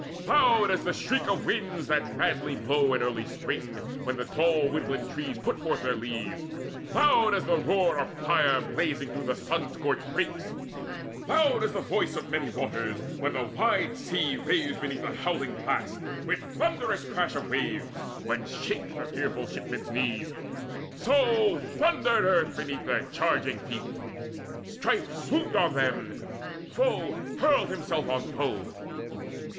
Loud as the shriek of winds that madly blow In early spring, when the tall woodland trees Put forth their leaves loud as the roar of fire Blazing through sun scorched brakes loud as the voice Of many waters, when the wide sea raves Beneath the howling blast, with thunderous crash Of waves, when shake the fearful shipman's knees; So thundered earth beneath their charging feet. Strife swooped on them: foe hurled himself on foe.